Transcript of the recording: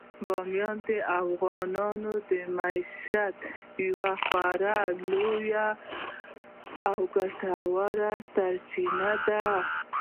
بامیان د افغانانو د معیشت یوه خورا لویه او ګټوره سرچینه ده.